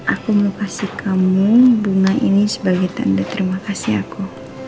aku melukasi kamu bunga ini sebagai tanda terima kasih aku